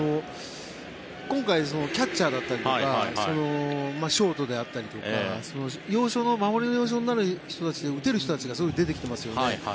今回キャッチャーだったりとかショートだったりとか守りの要所になる人たちで打てる人たちがすごい出てきてますよね。